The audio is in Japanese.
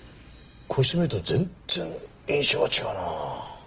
こうして見ると全然印象が違うなあ。